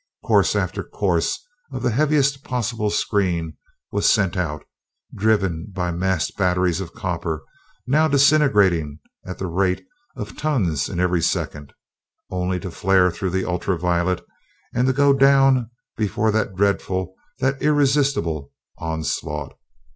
Course after course of the heaviest possible screen was sent out, driven by massed batteries of copper now disintegrating at the rate of tons in every second, only to flare through the ultra violet and to go down before that dreadful, that irresistible onslaught.